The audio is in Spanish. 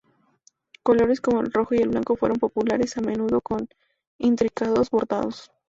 Colores como el rojo y el blanco fueron populares, a menudo con intrincados bordados.